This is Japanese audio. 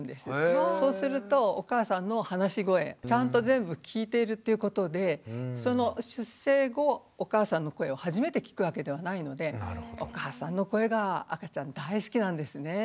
そうするとお母さんの話し声ちゃんと全部聞いているということでその出生後お母さんの声を初めて聞くわけではないのでお母さんの声が赤ちゃん大好きなんですね。